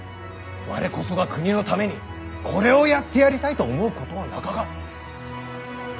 我こそが国のためにこれをやってやりたいと思うことはなかか？